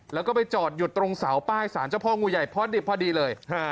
แล้วก็ไปจอดอยู่ตรงเสาป้ายสารเจ้าพ่องูใหญ่พอดิบพอดีเลย